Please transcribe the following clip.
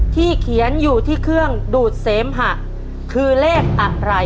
เขียนอยู่ที่เครื่องดูดเสมหะคือเลขอะไร